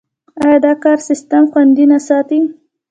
آیا دا کار سیستم خوندي نه ساتي؟